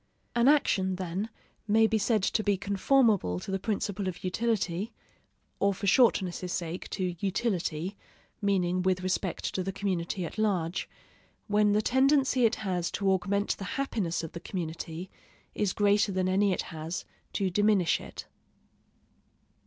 An action, then, may be said to be conformable to the principle of utility, or for shortness' sake to utility (meaning with respect to the community at large), when the tendency it has to augment the happiness of the community is greater than any it has to diminish it.